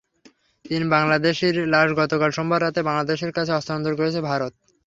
তিন বাংলাদেশির লাশ গতকাল সোমবার রাতে বাংলাদেশের কাছে হস্তান্তর করেছে ভারত।